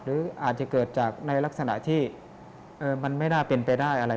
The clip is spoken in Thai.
หรืออาจจะเกิดจากในลักษณะที่มันไม่น่าเป็นไปได้อะไร